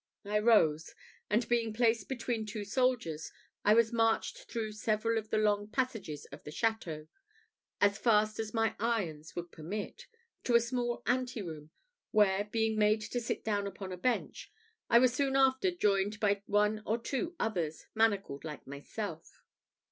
I rose; and being placed between two soldiers, I was marched through several of the long passages of the château, as fast as my irons would permit, to a small anteroom, where, being made to sit down upon a bench, I was soon after joined by one or two others, manacled like myself.